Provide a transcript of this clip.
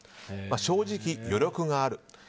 正直、余力がある。